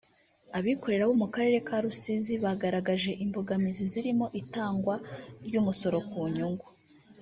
Abikorera bo mu karere ka Rusizi bagaragaje imbogamizi zirimo itangwa ry’umusoro ku nyungu